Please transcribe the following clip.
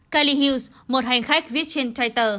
kelly hughes một hành khách viết trên twitter